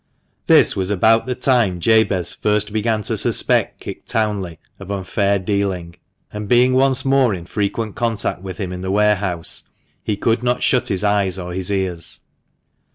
This was about the time Jabez first began to suspect Kit Townley of unfair dealing ; and being once more in frequent contact with him in the warehouse, he could not shut his eyes or his ears.